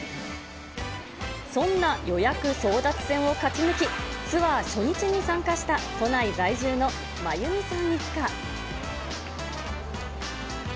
そんな予約争奪戦を勝ち抜き、ツアー初日に参加した、都内在住の真弓さん一家。